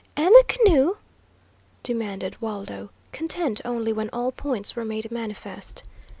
"And the canoe?" demanded Waldo, content only when all points were made manifest.